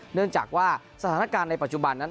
เนื่องจากว่าสถานการณ์ในปัจจุบันนั้น